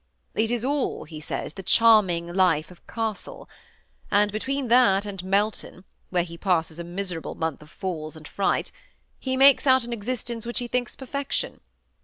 'It is all/ he says, ' the charming life of castle ;' and between that and Melton, where he passes a miserable month of falls and fright, he makes out an existence which he thinks perfection.